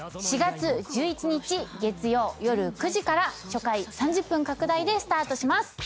４月１１日月曜夜９時から初回３０分拡大でスタートします！